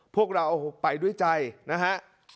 พวกเราไปด้วยใจนะฮะ